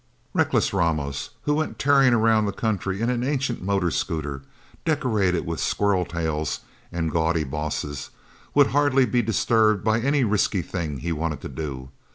Reckless Ramos, who went tearing around the country in an ancient motor scooter, decorated with squirrel tails and gaudy bosses, would hardly be disturbed by any risky thing he wanted to do.